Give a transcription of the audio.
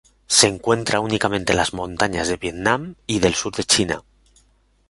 Se encuentra únicamente en las montañas de Vietnam y del sur de China.